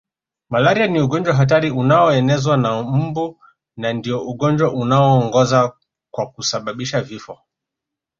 Malaria ni ugonjwa hatari unaonezwa na mbu na ndio ugonjwa unaoongoza kwa kusababisha vifo